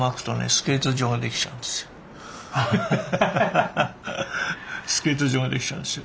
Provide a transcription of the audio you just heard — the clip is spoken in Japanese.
スケート場ができちゃうんですよ。